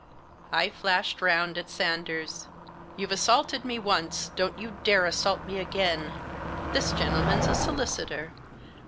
I flashed round at Sanders. "You've assaulted me once, don't you dare to assault me again ; this gentleman's a solicitor.